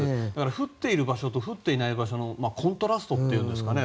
降っている場所と降っていない場所のコントラストっていうんですかね